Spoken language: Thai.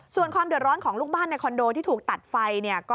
ส่วนความเดือดร้อนของลูกบ้านในคอนโดที่ถูกตัดไฟ